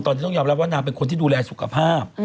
ตอนนี้ต้องยอมรับว่านางเป็นคนที่ดูแลสุขภาพ